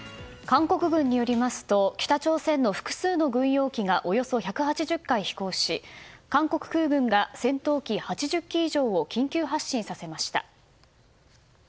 韓国軍によりますと北朝鮮の複数の軍用機がおよそ１８０回飛行し韓国空軍が戦闘機８０機以上を緊急発進させました。